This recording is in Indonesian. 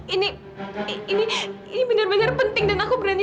ini ini benar benar penting dan aku berani